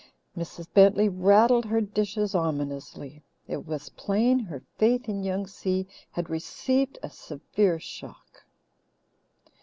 Mrs. Bentley rattled her dishes ominously. It was plain her faith in Young Si had received a severe shock.